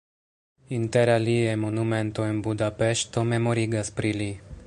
Inter alie monumento en Budapeŝto memorigas pri li.